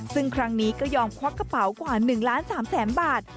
ซึ่งครั้งนี้ก็ยอมควักกระเป๋ากว่า๑ล้าน๓แสนบาท